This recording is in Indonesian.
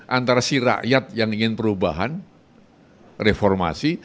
antara si rakyat yang ingin perubahan reformasi